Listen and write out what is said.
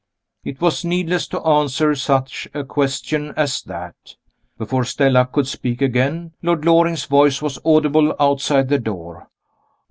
It was needless to answer such a question as that. Before Stella could speak again, Lord Loring's voice was audible outside the door.